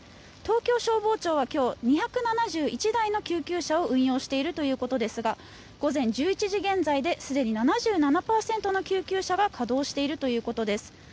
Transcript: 東京消防庁は今日２７１台の救急車を運用しているということですが午前１１時現在ですでに７７％の救急車が稼働しているということです。